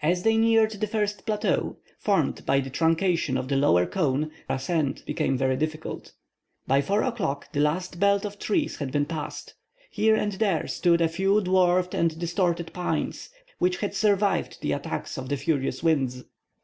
As they neared the first plateau, formed by the truncation of the lower cone, the ascent became very difficult. By 4 o'clock the last belt of trees had been passed. Here and there stood a few dwarfed and distorted pines, which had survived the attacks of the furious winds.